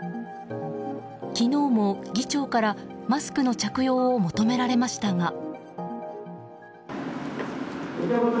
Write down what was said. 昨日も議長からマスクの着用を求められましたが。